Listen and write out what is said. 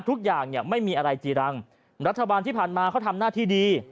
ทุกอย่างเนี่ยไม่มีอะไรจีรังรัฐบาลที่ผ่านมาเขาทำหน้าที่ดี